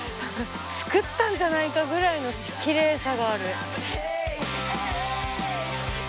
作ったんじゃないかぐらいのきれいさがある。